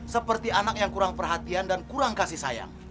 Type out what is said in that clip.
seperti anak yang kurang perhatian dan kurang kasih sayang